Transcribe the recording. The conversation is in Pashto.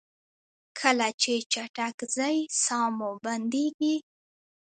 کله چې چټک ځئ ساه مو بندیږي؟